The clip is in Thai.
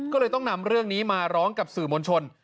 ก็เลยต้องนำเรื่องนี้มาร้องกับสื่อมวลชน